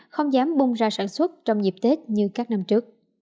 không dám bung ra sản xuất trong dịp tết như các năm trước